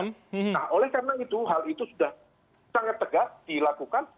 nah oleh karena itu hal itu sudah sangat tegas dilakukan